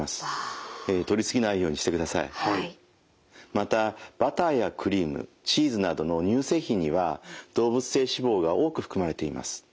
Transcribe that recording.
またバターやクリームチーズなどの乳製品には動物性脂肪が多く含まれています。